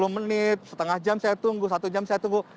sepuluh menit setengah jam saya tunggu satu jam saya tunggu